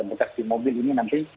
berkait mobil ini nanti